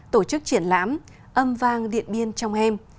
tổ chức triển lãm âm vang điện biên trong em